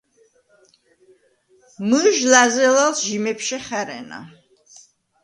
მჷჟ ლა̈ზელალს ჟი მეფშე ხა̈რენა.